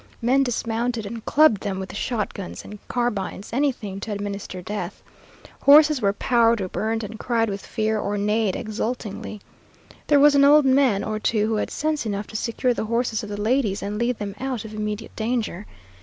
Men dismounted and clubbed them with shotguns and carbines, anything to administer death. Horses were powder burnt and cried with fear, or neighed exultingly. There was an old man or two who had sense enough to secure the horses of the ladies and lead them out of immediate danger.